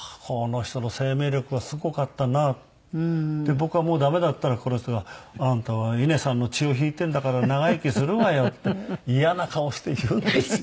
僕はもう駄目だって言ったらこの人が「あんたは稲さんの血を引いているんだから長生きするわよ」って嫌な顔して言うんですよ。